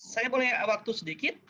saya boleh waktu sedikit